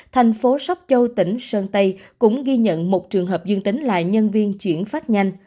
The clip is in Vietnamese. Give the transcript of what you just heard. thành phố sóc châu tỉnh sơn tây cũng ghi nhận một trường hợp dương tính là nhân viên chuyển phát nhanh